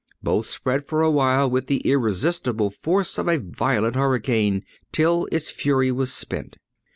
Both spread for awhile with the irresistible force of a violent hurricane, till its fury was spent.